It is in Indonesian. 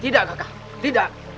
tidak kakak tidak